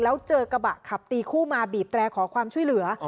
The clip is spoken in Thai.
แล้วเจอกระบะขับตีคู่มาบีบแตรขอความช่วยเหลือ